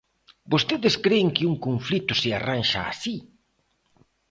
¿Vostedes cren que un conflito se arranxa así?